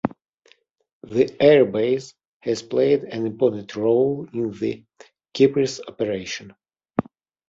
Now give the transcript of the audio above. The airbase has played an important role in the "Cyprus Operation".